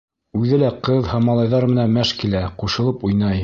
Үҙе лә ҡыҙ һәм малайҙар менән мәш килә, ҡушылып уйнай.